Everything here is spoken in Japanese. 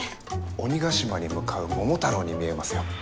鬼ヶ島に向かう桃太郎に見えますよ。